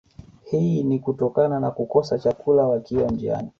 Hii ni kutokana na kukosa chakula wakiwa njiani